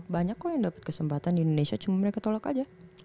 banyak kok yang dapat kesempatan di indonesia cuma mereka tolak aja